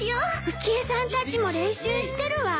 浮江さんたちも練習してるわ。